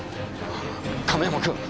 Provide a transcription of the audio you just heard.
亀山君！